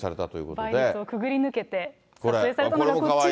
倍率をくぐり抜けて撮影されたのがこちら。